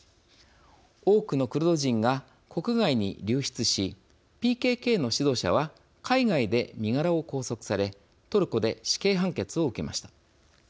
多くのクルド人が国外に流出しＰＫＫの指導者は海外で身柄を拘束されトルコで死刑判決を受けました。